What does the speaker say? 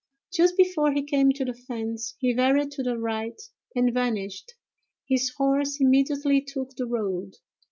Just before he came to the fence, he varied to the right and vanished; his horse immediately took the road.